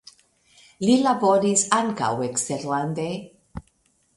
Li laboris ankaŭ eksterlande.